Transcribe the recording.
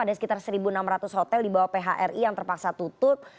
ada sekitar satu enam ratus hotel di bawah phri yang terpaksa tutup